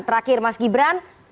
terakhir mas gibran